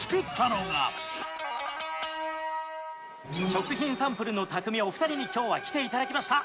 食品サンプルの匠お二人に今日は来て頂きました。